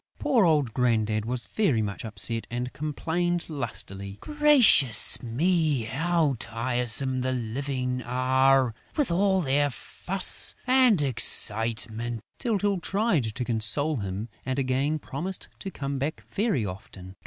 Poor old Grandad was very much upset and complained lustily: "Gracious me, how tiresome the Living are, with all their fuss and excitement!" Tyltyl tried to console him and again promised to come back very often.